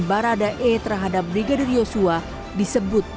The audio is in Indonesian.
barada e terhadap brigadir yosua disebut